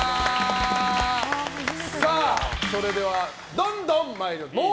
それではどんどん参りましょう。